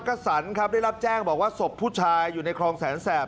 กษันครับได้รับแจ้งบอกว่าศพผู้ชายอยู่ในคลองแสนแสบ